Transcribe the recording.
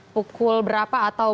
pukul berapa atau